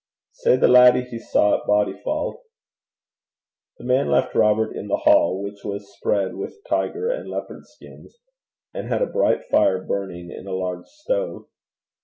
'Say the laddie he saw at Bodyfauld.' The man left Robert in the hall, which was spread with tiger and leopard skins, and had a bright fire burning in a large stove.